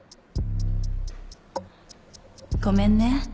ごめんね。